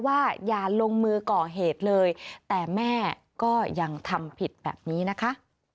ว่าอย่าลงมือก่อเหตุเลยแต่แม่ก็ยังทำผิดแบบนี้นะคะ